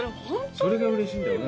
それがうれしいよね。